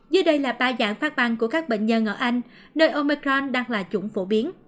dưới đây là ba dạng phát băng của các bệnh nhân ở anh nơi omecron đang là chủng phổ biến